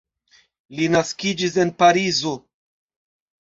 Li naskiĝis en Parizo.